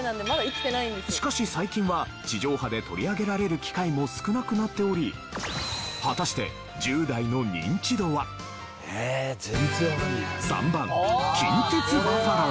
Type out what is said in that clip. しかし最近は地上波で取り上げられる機会も少なくなっており果たしてえーっ